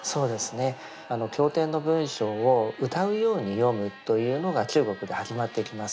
経典の文章を歌うように読むというのが中国で始まってきます。